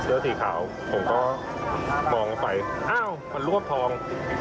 สีขาวผมก็มองเข้าไปอ้าวมันรวบทอง